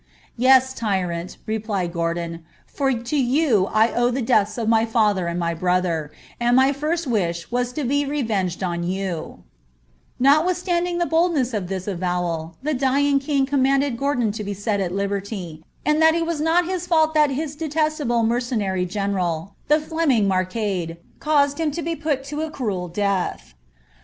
" Yea, tyrant," replied Gordon ;" for to you I owe the deaths of laj fuiiier and my brother, and my first wish was to be revenged on yon " Notwithstanding the boldness of this avowal, the dying kinx cdB* manded Gordon to be set at libert} , and it was not his fault uat Ui detestable mercenary general, the Fleming, Marcade, caused lum M it put to a cruel death.